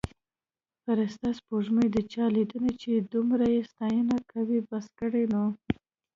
فرسته سپوړمۍ د چا لنډه چې دمره یې ستاینه یې کوي بس کړﺉ نو